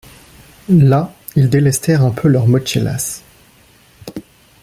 Là, ils délestèrent un peu leurs mochillas.